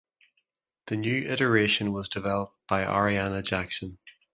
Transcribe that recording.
The new iteration was developed by Ariana Jackson.